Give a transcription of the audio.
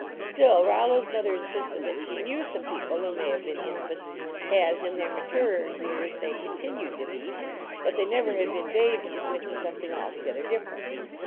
Still Rollo s mother insisted that she knew some people who may have been infants, as, in their maturer years they continued to be, but they never had been babies, which was something altogether different.